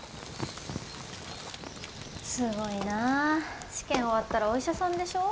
すごいな試験終わったらお医者さんでしょ？